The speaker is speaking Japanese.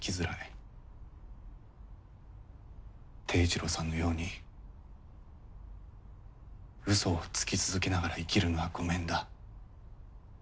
貞一郎さんのようにウソをつき続けながら生きるのはごめんだ。